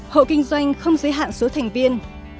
hộ kinh doanh không giới hạn số thành viên